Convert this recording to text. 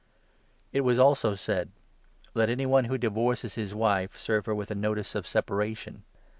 on It was also said —' Let any one who divorces his wife serve her with a notice of separation.'